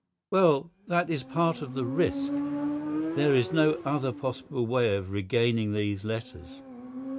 "Well, that is part of the risk. There is no other possible way of regaining these letters.